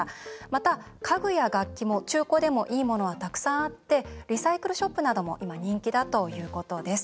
また、家具や楽器も中古でもいいものがたくさんあってリサイクルショップなども人気だということです。